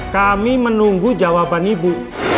kami menunggu jawaban ibu